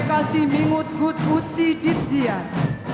kasih mingut gut utsi ditziar